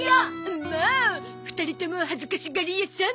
んもう２人とも恥ずかしがり屋さん！